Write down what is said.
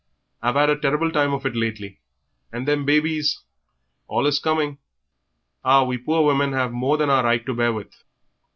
I've 'ad a terrible time of it lately, and them babies allus coming. Ah, we poor women have more than our right to bear with!"